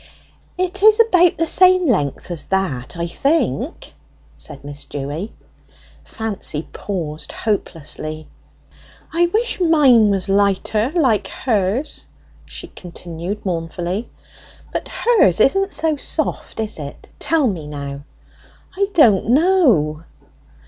"It is about the same length as that, I think," said Miss Dewy. Fancy paused hopelessly. "I wish mine was lighter, like hers!" she continued mournfully. "But hers isn't so soft, is it? Tell me, now." "I don't know."